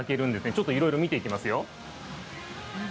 ちょっといろいろ見ていきますよ。